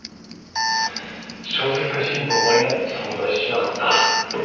小説家新道真理も存在しなかった。